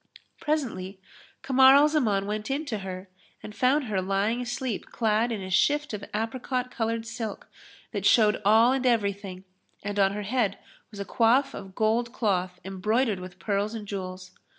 Presently, Kamar al Zaman went in to her and found her lying asleep clad in a shift of apricot coloured silk that showed all and everything; and on her head was a coif of gold cloth embroidered with pearls and jewels.